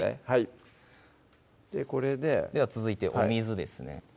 はいこれででは続いてお水ですね